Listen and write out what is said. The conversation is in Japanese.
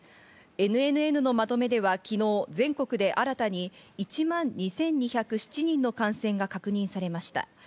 ＮＮＮのまとめでは昨日、全国で新たに１万２２０７人の感染が確認されました。